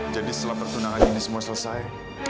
jadi setelah pertunangan ini semua selesai